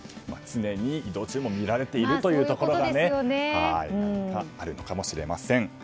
常に移動中も見られているということがあるのかもしれません。